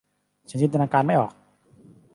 ฉันจินตนาการไม่ออก